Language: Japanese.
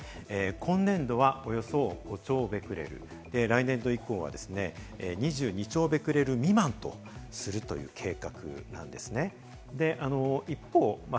今年度はおよそ５兆ベクレル、来年度以降は、２２兆ベクレル未満とするという計画なんですね。